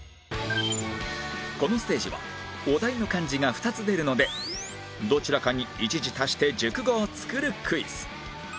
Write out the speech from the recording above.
このステージはお題の漢字が２つ出るのでどちらかに１字足して熟語を作るクイズ